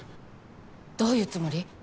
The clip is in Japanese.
どういうつもり？